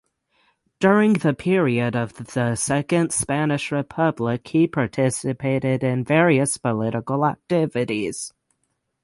During the period of the Second Spanish Republic he participated in various political activities.